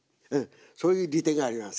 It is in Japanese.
そういう利点があります。